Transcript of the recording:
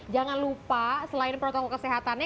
jangan lupa selain protokol kesehatannya